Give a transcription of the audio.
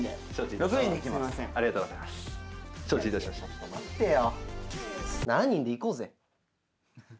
ちょっと待ってよ。